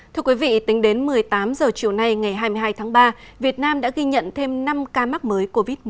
thưa quý vị tính đến một mươi tám h chiều nay ngày hai mươi hai tháng ba việt nam đã ghi nhận thêm năm ca mắc mới covid một mươi chín